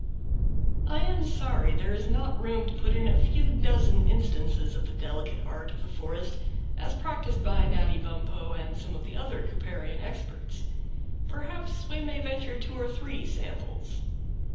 I am sorry there is not room to put in a few dozen instances of the delicate art of the forest, as practised by Natty Bumppo and some of the other Cooperian experts. Perhaps we may venture two or three samples.